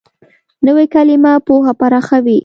نوې کلیمه پوهه پراخوي